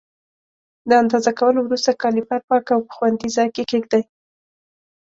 د اندازه کولو وروسته کالیپر پاک او په خوندي ځای کې کېږدئ.